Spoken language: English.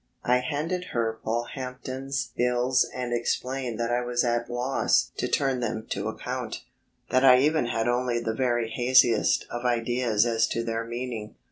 I handed her Polehampton's bills and explained that I was at a loss to turn them to account; that I even had only the very haziest of ideas as to their meaning.